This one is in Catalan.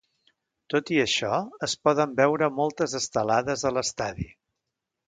Tot i això, es poden veure moltes estelades a l’estadi.